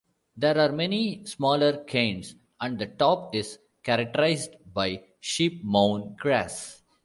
There are many smaller cairns and the top is characterised by sheep-mown grass.